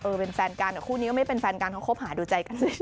เป็นแฟนกันแต่คู่นี้ก็ไม่เป็นแฟนกันเขาคบหาดูใจกันเลย